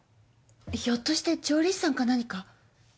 ひょっとして調理師さんか何か？